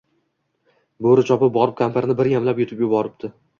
Boʻri chopib borib, kampirni bir yamlab yutib yuboribdi